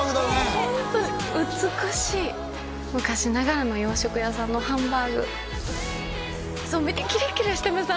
ホントに美しい昔ながらの洋食屋さんのハンバーグそう見てキラキラしてません？